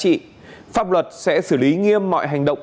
cơ quan cảnh sát điều tra bộ công an sẽ xử lý nghiêm mọi hành động